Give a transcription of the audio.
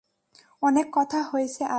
অনেক কথা হয়েছে আজ।